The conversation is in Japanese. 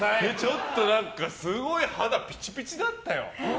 ちょっとすごい肌ピチピチだったよ。